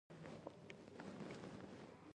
دوی له رقیبانو سره همسویه ښييل